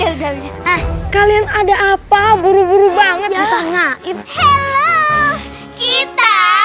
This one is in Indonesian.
udah kalian ada apa buru buru banget ya ngain hello kita